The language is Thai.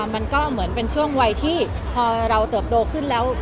มันก็เหมือนเป็นช่วงวัยที่พอเราเติบโตขึ้นแล้ว